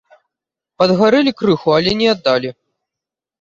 Падгарэлі крыху, але не аддалі.